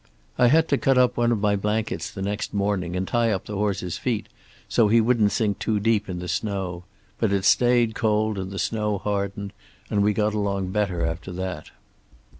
I had to cut up one of my blankets the next morning and tie up the horse's feet, so he wouldn't sink too deep in the snow. But it stayed cold and the snow hardened, and we got along better after that.